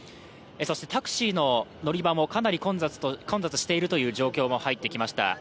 タクシーの乗り場もかなり混雑しているという状況も入ってきました。